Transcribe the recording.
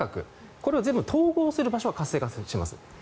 これを全部統合する場所が活性化します。